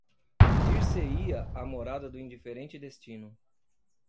Dir-se-ia a morada do indiferente Destino.